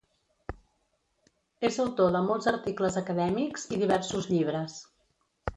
És autor de molts articles acadèmics i diversos llibres.